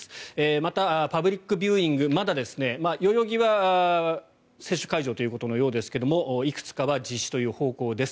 また、パブリックビューイング代々木は接種会場ということのようですがいくつかは実施という方向です。